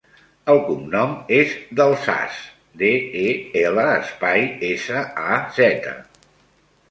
El cognom és Del Saz: de, e, ela, espai, essa, a, zeta.